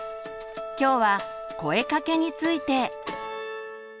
今日は「声かけ」について。